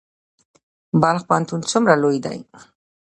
بلخ پوهنتون څومره لوی دی؟